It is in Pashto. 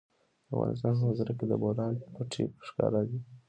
د افغانستان په منظره کې د بولان پټي ښکاره ده.